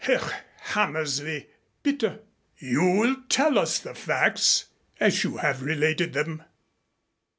Herr Hammersley, bitte, you will tell us the facts as you have related them."